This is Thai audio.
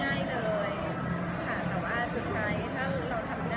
เอาจริงนะคะใช่ครับไม่กล้าคิดค่ะ